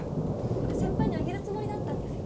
これ先輩にあげるつもりだったんですよ。